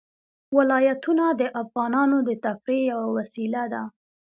ولایتونه د افغانانو د تفریح یوه وسیله ده.